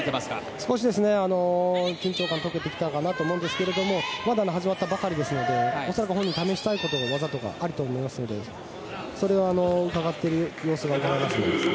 少し緊張感が解けてきたかなと思うんですがまだ始まったばかりですので恐らく本人は試したい技とかあると思いますのでそれをうかがっている様子がうかがえますね。